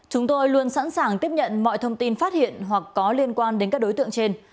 chúng tôi luôn sẵn sàng tiếp nhận mọi thông tin phát hiện hoặc có liên quan đến các đối tượng trên